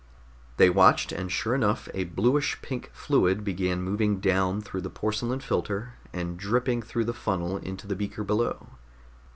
They watched and sure enough a bluish pink fluid began moving down through the porcelain filter, and dripping through the funnel into the beaker below.